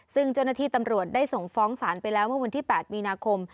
ซึ่งเจ้าหน้าที่ตำรวจได้ส่งฟ้องศาลไปแล้วเมื่อวันที่๘มีนาคม